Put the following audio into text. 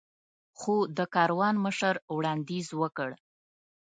خو د کاروان مشر وړاندیز وکړ.